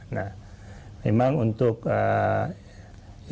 nah memang untuk ini